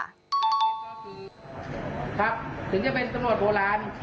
ก็คือครับถึงจะเป็นตำรวจโบราณ